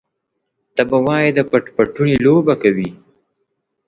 ته به وايې د پټ پټوني لوبه کوي.